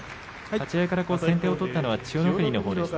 立ち合いから先手を取ったのは千代の国のほうでした。